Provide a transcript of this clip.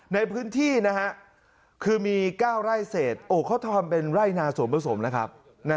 ในพื้นที่นะฮะคือมี๙ไร่เศษเขาทำเป็นไร่นาสวนผสมนะครับ